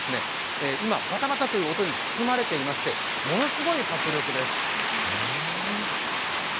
今、バタバタという音に包まれていまして、ものすごい迫力です。